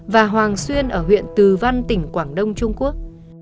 và hoàng xuyên ở huyện từ văn tỉnh quảng đông trung quốc